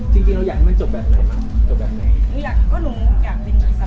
จริงเราอยากให้มันจบแบบไหนนะจบแบบไหน